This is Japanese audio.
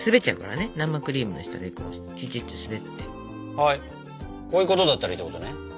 はいこういうことだったらいいってことね。